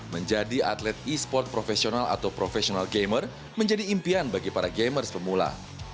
menjadi atlet esports profesional atau professional gamer menjadi impian bagi para gamers pemula